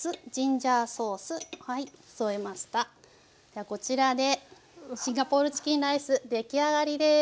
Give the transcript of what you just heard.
ではこちらでシンガポールチキンライス出来上がりです。